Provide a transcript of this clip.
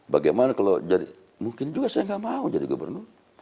bagaimana kalau mungkin juga saya nggak mau jadi gubernur